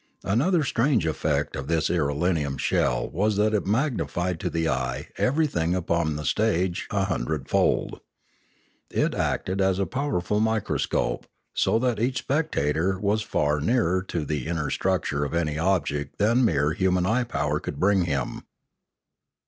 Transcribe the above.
Another strange effect of this irelium shell was that it magnified to the eye everything upon the stage a hundredfold; it acted as a powerful micro scope, so that each spectator was far nearer to the inner structure of any object than mere human eye power could bring him.